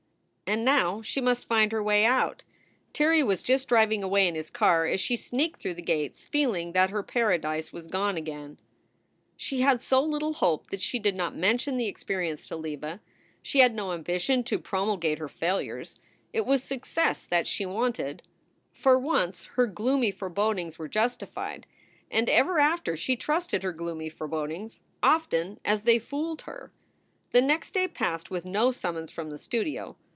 And now she must find her way out. Tirrey was just driving away in his car as she sneaked through the gates, feeling that her Paradise was gone again. i 9 8 SOULS FOR SALE She had so little hope that she did not mention the expe rience to Leva. She had no ambition to promulgate her failures. It was success that she wanted. For once, her gloomy forebodings were justified. And ever after she trusted her gloomy forebodings, often as they fooled her. The next day passed with no summons from the studio.